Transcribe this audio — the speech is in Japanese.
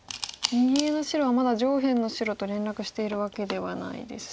右上の白はまだ上辺の白と連絡しているわけではないですし。